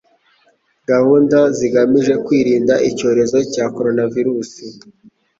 gahunda zigamije kwirinda icyorezo cya coronavirus